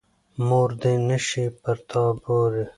مور دې نه شي پر تا بورې.